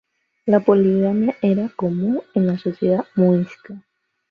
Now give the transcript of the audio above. La poligamia era común en la sociedad muisca.